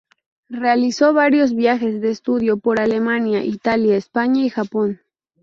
Realizó varios viajes de estudio por Alemania, Italia, España y Japón.